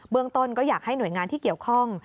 เมืองต้นก็อยากให้หน่วยงานที่เกี่ยวข้อง